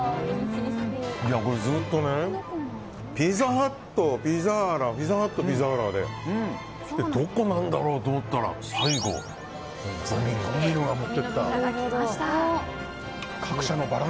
これずっとピザハットピザーラピザハット、ピザーラでどこなんだろうと思ったら最後、ドミノが持ってった。